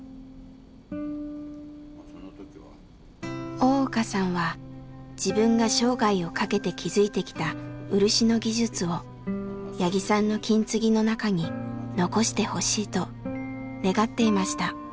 大岡さんは自分が生涯をかけて築いてきた漆の技術を八木さんの金継ぎの中に残してほしいと願っていました。